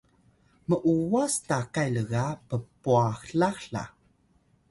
m’uwas takay lga ppwalax la